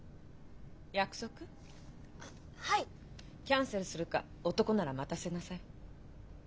キャンセルするか男なら待たせなさい。